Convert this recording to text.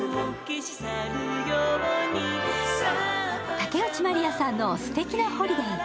竹内まりやさんの「すてきなホリデイ」。